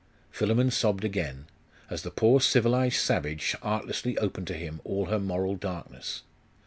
Philammon sobbed again, as the poor civilised savage artlessly opened to him all her moral darkness.